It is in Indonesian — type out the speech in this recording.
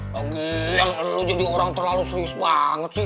lagi yang lo jadi orang terlalu serius banget sih